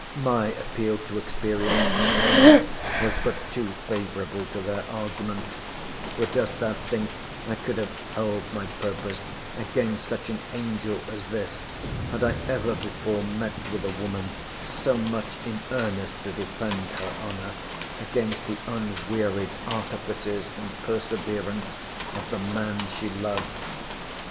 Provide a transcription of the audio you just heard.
My appeal to experience, I own, was but too favourable to their argument: For dost thou think I could have held my purpose against such an angel as this, had I ever before met with a woman so much in earnest to defend her honour against the unwearied artifices and perseverance of the man she loved?